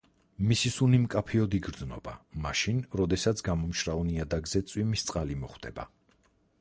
მისი სუნი მკაფიოდ იგრძნობა, მაშინ, როდესაც გამომშრალ ნიადაგზე წვიმის წყალი მოხვდება.